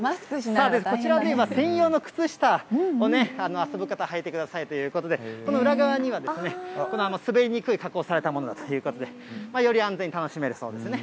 こちらには、今、専用の靴下を遊ぶ方、はいてくださいということで、この裏側には、滑りにくい加工がされたものだということで、より安全に楽しめるそうですね。